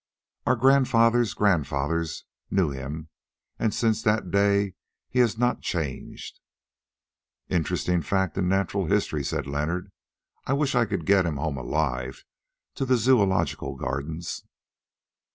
Our grandfather's grandfathers knew him, and since that day he has not changed." "Interesting fact in natural history," said Leonard; "I wish I could get him home alive to the Zoological Gardens."